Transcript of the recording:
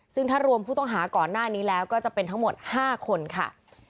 ซึ่งถ้ารวมผู้ต้องหาก่อนหน้านี้แล้วก็จะเป็นทั้งหมด๕คนค่ะ